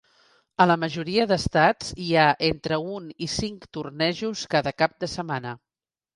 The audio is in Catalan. A la majoria d'estats hi ha entre un i cinc tornejos cada cap de setmana.